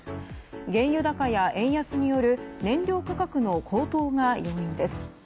原油高や円安による燃料価格の高騰が要因です。